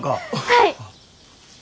はい！